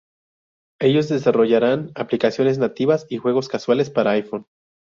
Ellos desarrollarán aplicaciones nativas y juegos casuales para iPhone.